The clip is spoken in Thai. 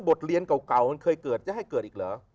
บทเรียนเก่ามันเคยเกิดจะให้เกิดอีกเหรอ